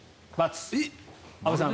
安部さん。